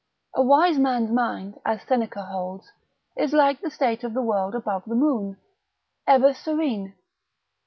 A wise man's mind, as Seneca holds, is like the state of the world above the moon, ever serene.